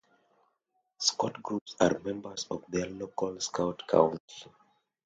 Scout Groups are members of their local Scout County.